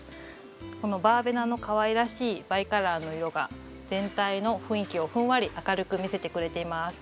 このバーベナのかわいらしいバイカラーの色が全体の雰囲気をふんわり明るく見せてくれています。